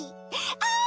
あ！